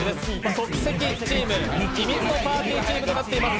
即席チーム、秘密のパーティーチームとなっています。